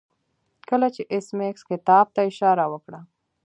کله چې ایس میکس کتاب ته اشاره وکړه